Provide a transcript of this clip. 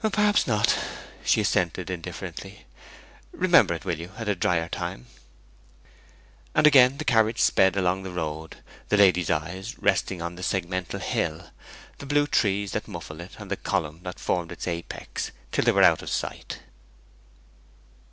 'Perhaps not,' she assented indifferently. 'Remember it, will you, at a drier time?' And again the carriage sped along the road, the lady's eyes resting on the segmental hill, the blue trees that muffled it, and the column that formed its apex, till they were out of sight.